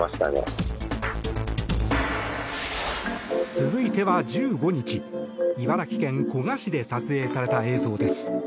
続いては１５日茨城県古河市で撮影された映像です。